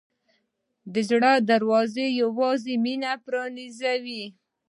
د زړه دروازه یوازې مینه پرانیزي.